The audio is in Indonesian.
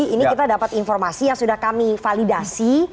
ini kita dapat informasi yang sudah kami validasi